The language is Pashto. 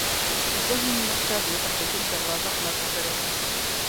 ذهن موږ ته د تخیل دروازه خلاصه کړې.